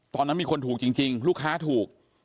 ตอนนั้นมีคนถูกจริงลูกค้าถูก